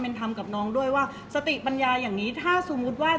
เพราะว่าสิ่งเหล่านี้มันเป็นสิ่งที่ไม่มีพยาน